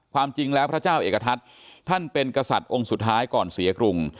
ความจริงแล้วพระเจ้าเอกทัศน์ท่านเป็นกษัตริย์องค์สุดท้ายก่อนเสียกรุง